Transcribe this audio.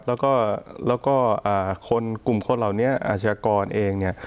แล้วก็คนกลุ่มคนเหล่านี้อาชญากรเองเนี่ย